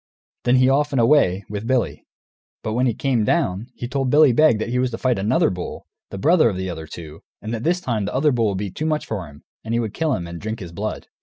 Then he off and away, with Billy. But when he came down, he told Billy Beg that he was to fight another bull, the brother of the other two, and that this time the other bull would be too much for him, and would kill him and drink his blood.